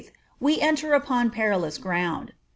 we enter upon perilous ground.